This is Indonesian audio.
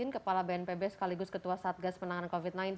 kepala bnpb sekaligus ketua satgas penanganan covid sembilan belas